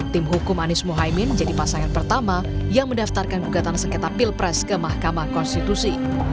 tim hukum anies mohaimin jadi pasangan pertama yang mendaftarkan gugatan sengketa pilpres ke mahkamah konstitusi